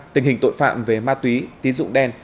tình hình tội phạm về ma túy tín dụng đen